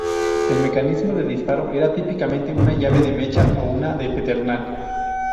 El mecanismo de disparo era típicamente una llave de mecha o una de pedernal.